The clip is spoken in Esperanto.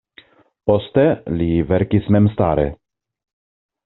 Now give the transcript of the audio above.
Poste li verkis memstare.